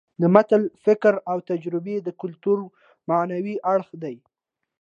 د متل فکر او تجربه د کولتور معنوي اړخ دی